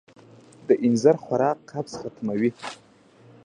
د اینځر خوراک قبض ختموي.